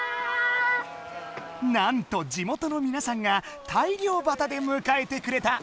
なんと地元のみなさんが大漁旗でむかえてくれた！